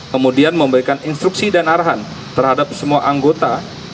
kemudian memberikan instruksi dan arahan terhadap semua anggota